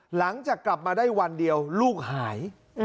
หลังจากกลับมาได้วันเดียวลูกหาย